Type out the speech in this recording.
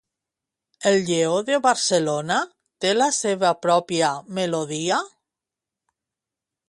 El Lleó de Barcelona té la seva pròpia melodia?